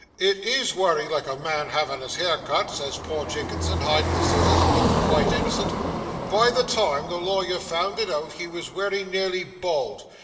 "It is wery like a man havin' his hair cut," says poor Jinkinson, hidin' the scissors, and lookin' quite innocent. By the time the lawyer found it out, he was wery nearly bald.